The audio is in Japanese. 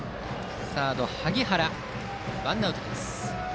サード、萩原がとってワンアウトです。